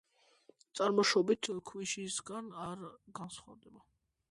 წარმოშობით ქვიშისაგან არ განსხვავდება.